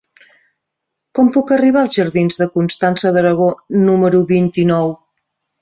Com puc arribar als jardins de Constança d'Aragó número vint-i-nou?